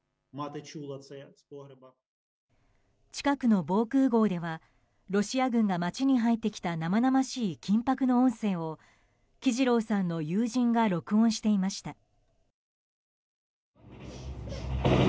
近くの防空壕ではロシア軍が街に入ってきた生々しい緊迫の音声をキジロウさんの友人が録音していました。